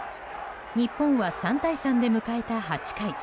日本は３対３で迎えた８回。